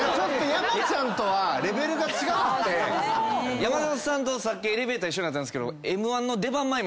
山里さんとさっきエレベーター一緒になったんですけど。